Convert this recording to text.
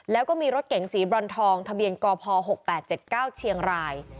แล้วก็มีรถเก๋งสีบรอนทองทะเบียนกพ๖๘๗๙เชียงราย